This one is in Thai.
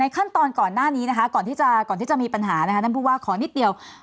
ขั้นตอนก่อนหน้านี้นะคะก่อนที่จะมีปัญหานะคะท่านผู้ว่าขอนิดเดียว